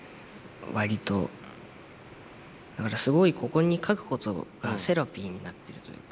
だからすごいここに書くことがセラピーになっているというか。